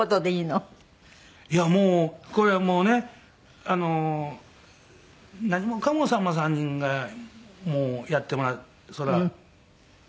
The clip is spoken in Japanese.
いやもうこれはもうね何もかもさんまさんがやってもらってるので。